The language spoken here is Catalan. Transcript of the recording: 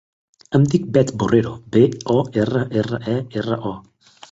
Em dic Beth Borrero: be, o, erra, erra, e, erra, o.